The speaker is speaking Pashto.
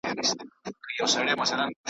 زموږ د خپل تربور په وینو د زمان ژرنده چلیږي .